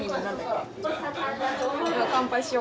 乾杯しようか。